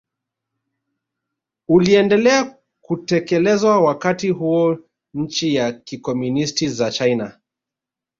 uliendelea kutekelezwa Wakati huo nchi za kikomunisti za China